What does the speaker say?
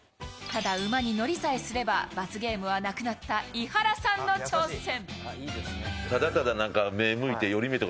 ただ馬に乗りさえすれば罰ゲームはなくなった伊原さんの挑戦。